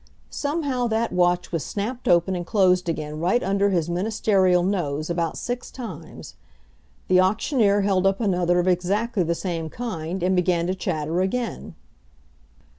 Somehow, that watch was snapped open and closed again right under his ministerial nose about six times. The auctioneer held up another of exactly the same kind, and began to chatter again.